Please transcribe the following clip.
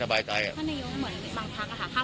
ภาคผ้าไฟเขาไปจงตีว่า